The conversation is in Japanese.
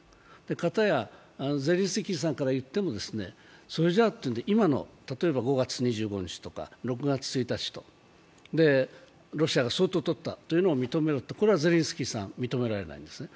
片やゼレンスキーさんからいっても、今の、例えば５月２５日とか６月１日、ロシアが相当取ったというのを認めると、これはゼレンスキーさん、認められないんですね。